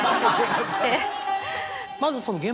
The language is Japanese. まず。